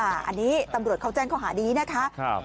อันนี้ตำรวจเขาแจ้งข้อหานี้นะคะ